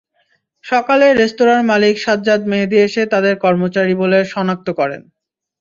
সকালে রেস্তোরাঁর মালিক সাজ্জাদ মেহেদী এসে তাঁদের কর্মচারী বলে শনাক্ত করেন।